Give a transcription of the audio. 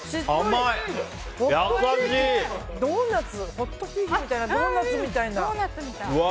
ホットケーキみたいなドーナツみたいな。